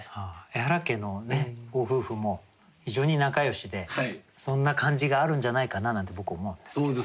エハラ家のご夫婦も非常に仲よしでそんな感じがあるんじゃないかななんて僕思うんですけど。